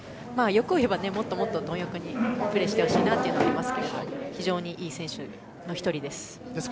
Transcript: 欲を言えばもっとどん欲にプレーしてほしいなというのもありますけども非常にいい選手の１人です。